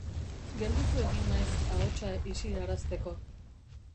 Gelditu egin naiz ahotsa isilarazteko.